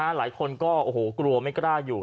หลายคนก็กลัวไม่กล้าอยู่